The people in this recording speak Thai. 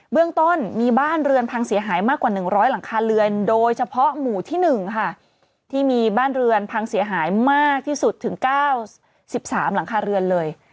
เรื่องต้นมีบ้านเรือนพังเสียหายมากกว่า๑๐๐หลังคาเรือนโดยเฉพาะหมู่ที่๑ค่ะที่มีบ้านเรือนพังเสียหายมากที่สุดถึง๙๓หลังคาเรือนเลย